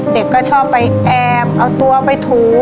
เด็กก็ชอบไปแอบเอาตัวไปถู